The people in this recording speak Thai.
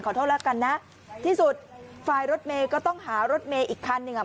โทษแล้วกันนะที่สุดฝ่ายรถเมย์ก็ต้องหารถเมย์อีกคันหนึ่งอ่ะ